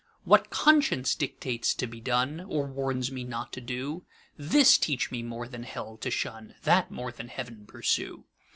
What Conscience dictates to be done, Or warns me not to do; This teach me more than Hell to shun, That more than Heav'n pursue.